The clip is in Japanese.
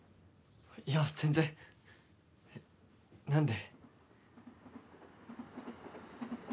いや全然何で？